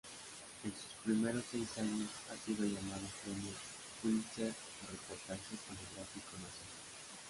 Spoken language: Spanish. En sus primeros seis años ha sido llamado Premio Pulitzer por Reportaje telegráfico-Nacional.